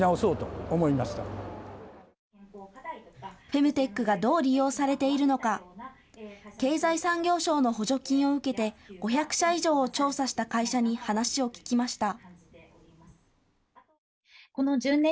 フェムテックがどう利用されているのか経済産業省の補助金を受けて５００社以上を調査した会社に話を聞きました。